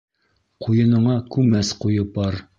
Ҡуйыныңа күмәс ҡуйып бар.